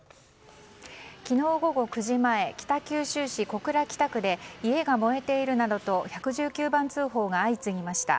昨日午後９時前北九州市小倉北区で家が燃えているなどと１１９番通報が相次ぎました。